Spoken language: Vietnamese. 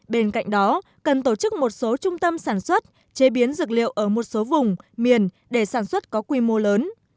bên cạnh đó cần tổ chức một số trung tâm sản xuất chế biến dược liệu ở một số vùng miền để sản xuất có quy mô lớn